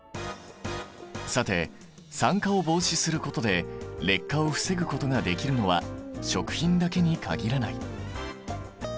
さて酸化を防止することで劣化を防ぐことができるのは食品だけに限らない。